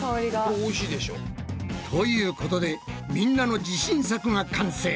これおいしいでしょ。ということでみんなの自信作が完成！